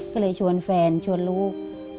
ก็เลยชวนแฟนชวนลูก